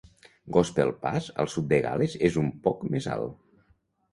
Gospel Pass al sud de Gal·les és un poc més alt.